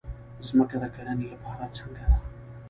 ځمکه د کرنې لپاره څنګه ده؟